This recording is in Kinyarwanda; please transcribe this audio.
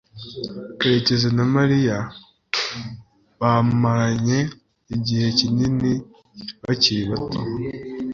karekezi na mariya bamaranye igihe kinini bakiri bato